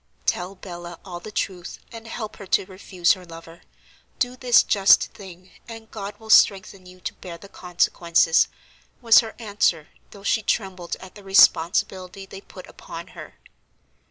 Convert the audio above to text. "Tell Bella all the truth, and help her to refuse her lover. Do this just thing, and God will strengthen you to bear the consequences," was her answer, though she trembled at the responsibility they put upon her.